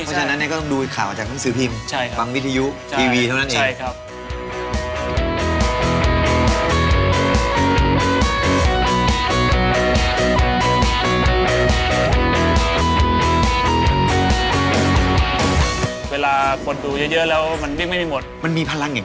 เพราะฉะนั้นเนี่ยก็ต้องดูข่าวจากหนังสือพิมพ์ฟังวิทยุทีวีเท่านั้นเอง